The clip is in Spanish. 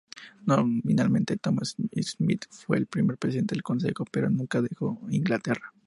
Nominalmente Thomas Smith fue el primer presidente del consejo, pero nunca dejó Inglaterra.